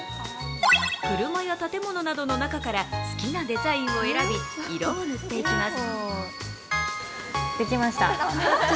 車や建物などの中から好きなデザインを選び、色を塗っていきます。